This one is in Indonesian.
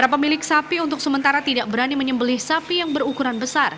pemilik sapi untuk sementara tidak berani menyembeli sapi yang berukuran besar